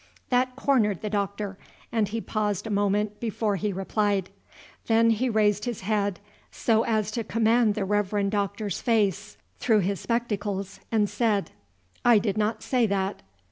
That cornered the Doctor, and he paused a moment before he replied. Then he raised his head, so as to command the Reverend Doctor's face through his spectacles, and said, "I did not say that.